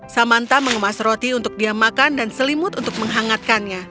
samanta mengemas roti untuk diam makan dan selimut untuk menghangatkannya